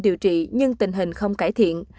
điều trị nhưng tình hình không cải thiện